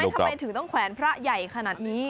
ทำไมถึงต้องแขวนพระใหญ่ขนาดนี้